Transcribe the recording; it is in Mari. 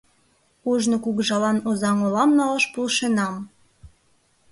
Ожно кугыжалан Озаҥ олам налаш полшенам.